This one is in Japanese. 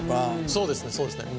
そうですねそうですね。